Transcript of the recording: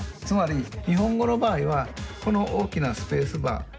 つまり日本語の場合はこの大きなスペースバー